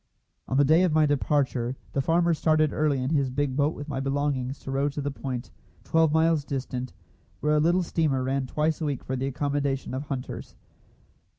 On the day of my departure the farmer started early in his big boat with my belongings to row to the point, twelve miles distant, where a little steamer ran twice a week for the accommodation of hunters.